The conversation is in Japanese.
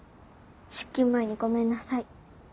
出勤前にごめんなさい。